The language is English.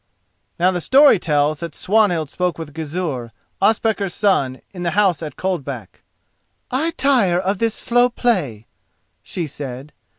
Now the story tells that Swanhild spoke with Gizur, Ospakar's son, in the house at Coldback. "I tire of this slow play," she said.